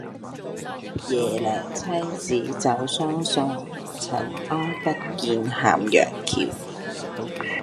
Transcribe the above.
耶娘妻子走相送，塵埃不見咸陽橋。